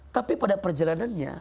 tapi pada perjalanannya